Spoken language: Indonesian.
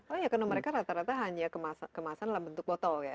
oh ya karena mereka rata rata hanya kemasan dalam bentuk botol ya